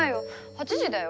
８時だよ？